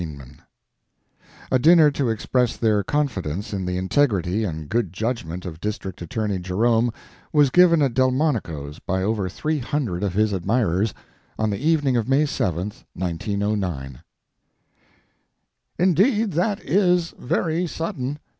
JEROME A dinner to express their confidence in the integrity and good judgment of District Attorney Jerome was given at Delmonico's by over three hundred of his admirers on the evening of May 7, 1909. Indeed, that is very sudden.